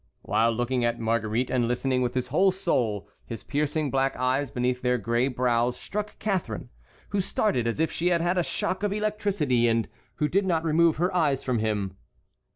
While looking at Marguerite and listening with his whole soul, his piercing black eyes beneath their gray brows struck Catharine, who started as if she had had a shock of electricity, and who did not remove her eyes from him.